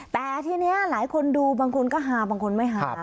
แต่ทีนี้หลายคนดูบางคนก็ฮาบางคนไม่ฮา